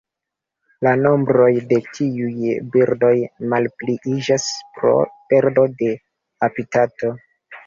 La nombroj de tiuj birdoj malpliiĝas pro perdo de habitato.